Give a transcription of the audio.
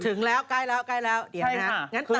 ถึงแล้วใกล้แล้วเดี๋ยวนะครับใช่ค่ะ